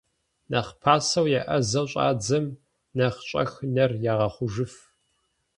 Нэхъ пасэу еӀэзэу щӀадзэм, нэхъ щӀэх нэр ягъэхъужыф.